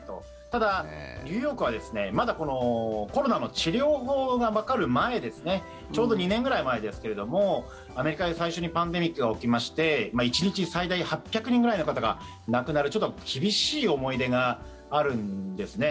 ただ、ニューヨークはまだコロナの治療法がわかる前ちょうど２年ぐらい前ですけれどアメリカで最初にパンデミックが起きまして１日最大８００人ぐらいの方が亡くなるちょっと厳しい思い出があるんですね。